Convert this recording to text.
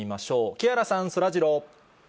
木原さん、そらジロー。